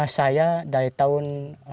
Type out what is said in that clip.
saya dari tahun seribu sembilan ratus sembilan puluh